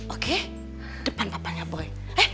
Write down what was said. oke depan papanya boy